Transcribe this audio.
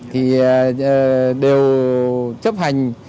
thì đều chấp hành